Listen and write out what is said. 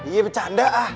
iya becanda ah